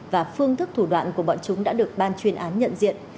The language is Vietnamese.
và phương thức thủ đoạn của bọn chúng đã được ban chuyên án nhận diện